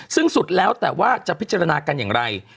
ซึ่งสุดแล้วแต่ว่าจะพิจารณากันอย่างไร